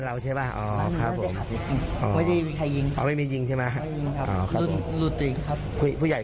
เราชอบจบหมดไม่มีใครหลั่นไปไหน